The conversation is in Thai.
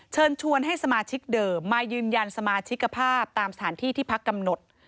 เชิญชวนให้สมาชิกเดิมมายืนยันสมาชิกภาพตามสถานที่ที่พักกำหนด